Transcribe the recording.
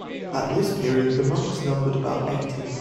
At this period the monks numbered about eighty.